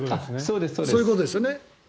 そういうことですよね。